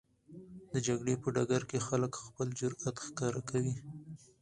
د جګړې په ډګر کې خلک خپل جرئت ښکاره کوي.